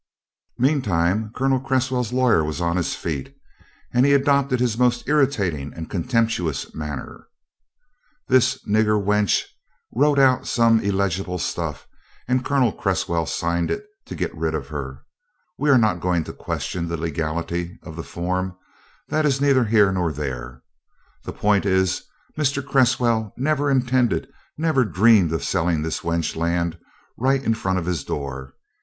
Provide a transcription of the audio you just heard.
Meantime Colonel Cresswell's lawyer was on his feet, and he adopted his most irritating and contemptuous manner. "This nigger wench wrote out some illegible stuff and Colonel Cresswell signed it to get rid of her. We are not going to question the legality of the form that's neither here nor there. The point is, Mr. Cresswell never intended never dreamed of selling this wench land right in front of his door.